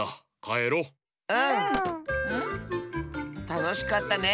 たのしかったね。